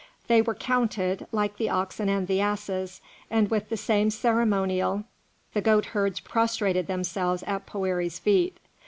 They were counted, like the oxen and the asses, and with the same ceremonial the goat herds prostrated themselves at Poëri's feet.